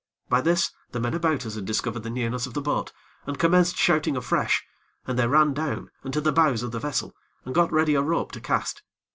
By this, the men about us had discovered the nearness of the boat, and commenced shouting afresh, and they ran down, and to the bows of the vessel, and got ready a rope to cast.